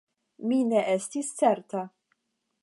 Mi ne estis certa.